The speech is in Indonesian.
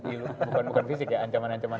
mungkin bukan fisik ya ancaman ancaman